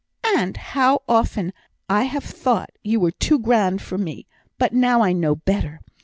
"And how often I have thought you were too grand for me! but now I know better.